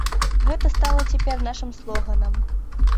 Гэта стала цяпер нашым слоганам.